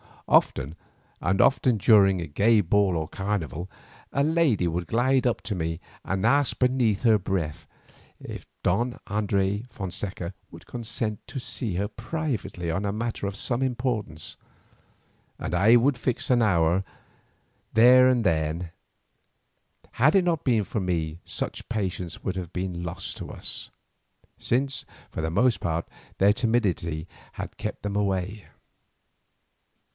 Often and often during some gay ball or carnival, a lady would glide up to me and ask beneath her breath if Don Andres de Fonseca would consent to see her privately on a matter of some importance, and I would fix an hour then and there. Had it not been for me such patients would have been lost to us, since, for the most part, their timidity had kept them away.